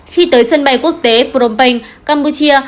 khi tới sân bay quốc tế phnom penh campuchia